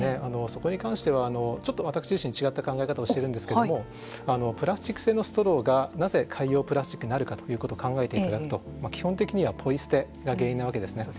そこに関してはちょっと私自身違った考え方をしてるんですけどもプラスチック製のストローがなぜ海洋プラスチックになるかということを考えていただくと基本的にはポイ捨てが原因なわけですね。